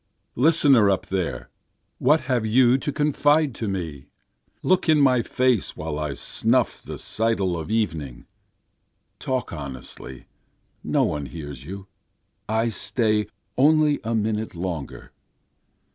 Listener up there! what have you to confide to me? Look in my face while I snuff the sidle of evening, (Talk honestly, no one else hears you, and I stay only a minute longer.)